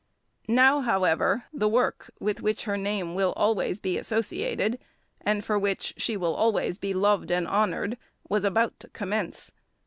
Now, however, the work with which her name will always be associated, and for which she will always be loved and honoured, was about to commence.